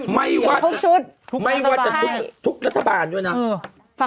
ไม่ว่าจะทุกรัฐบาลด้วยนะ